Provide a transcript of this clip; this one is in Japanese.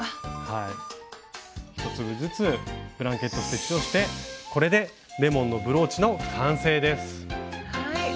１粒ずつブランケット・ステッチをしてこれでレモンのブローチの完成です。